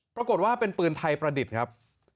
ปรากฏว่าเป็นปืนไทยประดิษฐ์ครับ